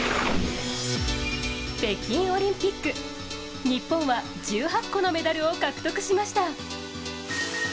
北京オリンピック日本は１８個のメダルを獲得しました。